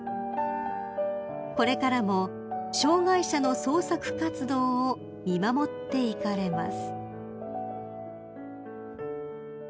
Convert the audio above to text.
［これからも障害者の創作活動を見守っていかれます］